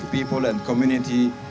dengan orang dan komunitas